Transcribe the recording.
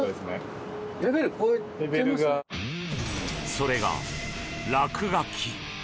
それが落書き。